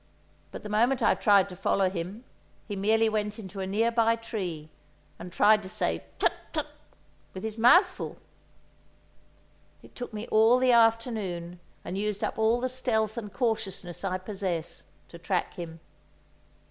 But the moment I tried to follow him, he merely went into a near by tree, and tried to say "Chut! chut!" with his mouth full! It took me all the afternoon, and used up all the stealth and cautiousness I possess, to track him.